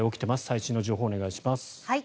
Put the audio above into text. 最新の情報をお願いします。